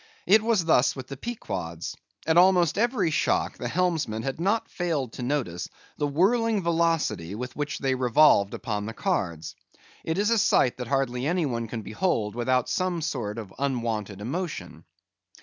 It was thus with the Pequod's; at almost every shock the helmsman had not failed to notice the whirling velocity with which they revolved upon the cards; it is a sight that hardly anyone can behold without some sort of unwonted emotion.